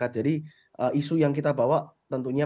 dan jadi isu yang diikan tentunya penegakan hukum yang berkeadilan